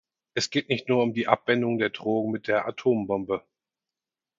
Es geht nicht nur um die Abwendung der Drohung mit der Atombombe.